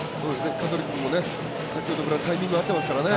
香取君も先ほどからタイミング合ってますからね。